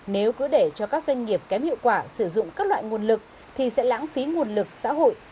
nếu cứ để cho các doanh nghiệp kém hiệu quả sử dụng các loại nguồn lực thì sẽ lãng phí nguồn lực xã hội